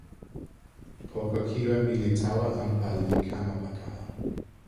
poki kiwen mi li tawa anpa li kama pakala.